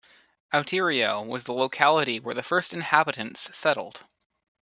Outeiro was the locality where the first inhabitants settled.